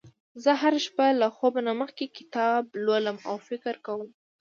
زه هره شپه له خوب نه مخکې کتاب لولم او فکر کوم